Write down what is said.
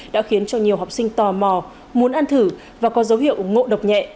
đã khiến cho nhiều học sinh tò mò muốn ăn thử và có dấu hiệu ngộ độc nhẹ